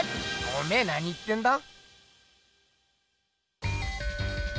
おめえなに言ってんだ？